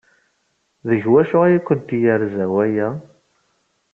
Deg wacu ay kent-yerza waya?